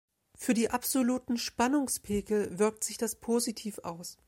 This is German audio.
Für die absoluten Spannungspegel wirkt sich das positiv aus.